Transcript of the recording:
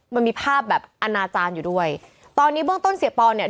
มันมีภาพแบบอนาจารย์อยู่ด้วยตอนนี้เบื้องต้นเสียปอนเนี่ย